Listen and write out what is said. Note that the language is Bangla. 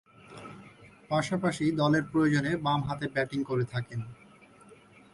পাশাপাশি দলের প্রয়োজনে বামহাতে ব্যাটিং করে থাকেন।